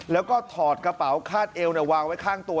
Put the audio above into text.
แล้วก็ถอดกระเป๋าคาดเอววางไว้ข้างตัว